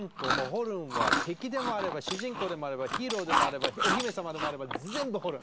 ホルンは敵でもあれば主人公でもあればヒーローでもあればお姫様でもあれば全部ホルン！